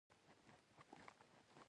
د موبایل کمره ښه ده؟